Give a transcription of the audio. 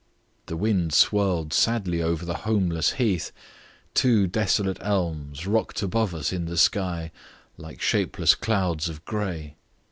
The wind swirled sadly over the homeless heath; two desolate elms rocked above us in the sky like shapeless clouds of grey.